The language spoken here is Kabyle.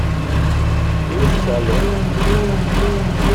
Iwacu tɛelleḍ anezgum?